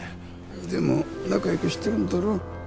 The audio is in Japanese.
でも仲良くしてるんだろ？